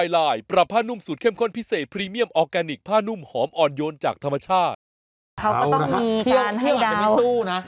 เขาก็ต้องมีการให้ดาวน์